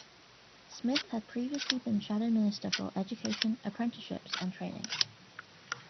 Smith had previously been Shadow Minister for Education, Apprenticeships and Training.